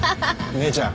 姉ちゃん